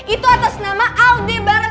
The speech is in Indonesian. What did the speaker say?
itu atas nama halde barat